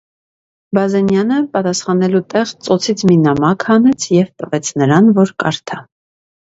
Բազենյանը պատասխանելու տեղ ծոցից մի նամակ հանեց և տվեց նրան, որ կարդա: